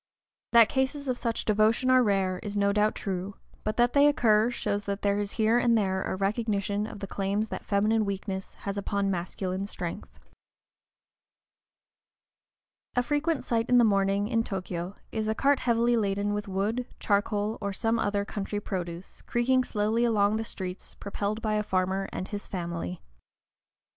That cases of such devotion are rare is no doubt true, but that they occur shows that there is here and there a recognition of the claims that feminine weakness has upon masculine strength. A frequent sight in the morning, in Tōkyō, is a cart heavily laden with wood, charcoal, or some other country produce, creaking slowly along the streets, propelled by a farmer and his family.